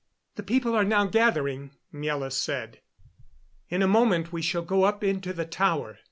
"The people now are gathering," Miela said. "In a moment we shall go up into the tower."